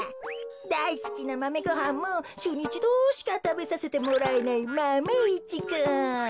だいすきなマメごはんもしゅうにいちどしかたべさせてもらえないマメ１くん。